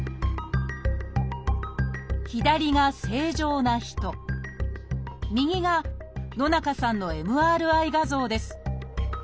左が正常な人右が野中さんのＭＲＩ画像です。